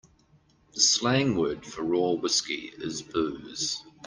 The slang word for raw whiskey is booze.